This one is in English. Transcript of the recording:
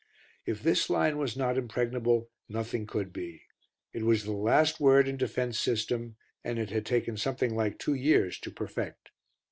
If this line was not impregnable, nothing could be. It was the last word in defence system and it had taken something like two years to perfect.